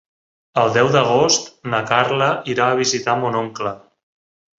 El deu d'agost na Carla irà a visitar mon oncle.